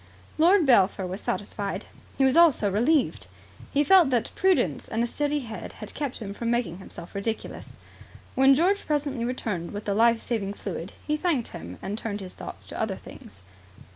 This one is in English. Lord Belpher was satisfied. He was also relieved. He felt that prudence and a steady head had kept him from making himself ridiculous. When George presently returned with the life saving fluid, he thanked him and turned his thoughts to other things.